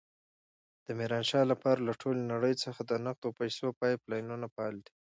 د ميرانشاه لپاره له ټولې نړۍ څخه د نقدو پيسو پایپ لاینونه فعال دي.